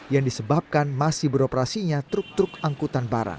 yang disebabkan masih beroperasinya truk truk angkutan barang